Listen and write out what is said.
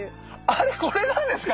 あれこれなんですか？